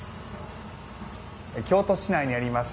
京都市内にあります